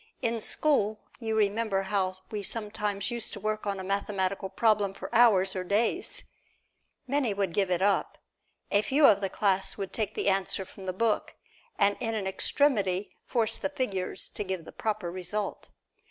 In school, you remember how we sometimes used to work on a mathematical problem for hours or days. Many would give it up. A few of the class would take the answer from the book, and in an extremity force the figures to give the proper result.